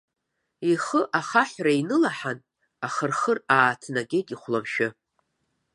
Ихы ахаҳәра инылаҳан, ахырхыр ааҭгеит ихәлымшәы.